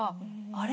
「あれ？